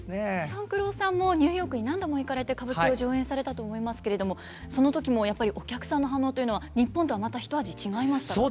勘九郎さんもニューヨークに何度も行かれて歌舞伎を上演されたと思いますけれどもその時もやっぱりお客さんの反応というのは日本とはまたひと味違いましたか？